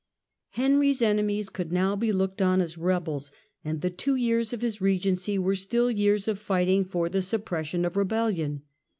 Henry's enemies could now be looked on as rebels, and the two years of his Kegency were still years of fighting for the suppression of rebellion.